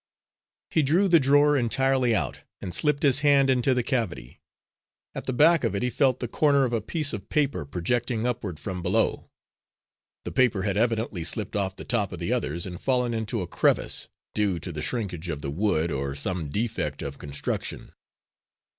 He drew the drawer entirely out, and slipped his hand into the cavity. At the back of it he felt the corner of a piece of paper projecting upward from below. The paper had evidently slipped off the top of the others and fallen into a crevice, due to the shrinkage of the wood or some defect of construction.